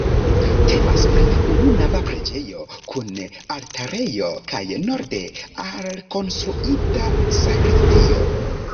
Temas pri ununava preĝejo kun altarejo kaj norde alkonstruita sakristio.